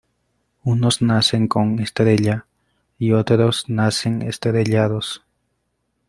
Unos nacen con estrella y otros nacen estrellados.